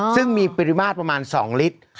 ซึ่งมีปริมาตรประมาณ๒ลิตร